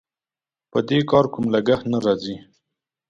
په دې کار کوم لګښت نه راځي.